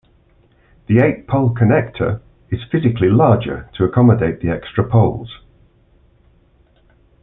The eight-pole connector is physically larger to accommodate the extra poles.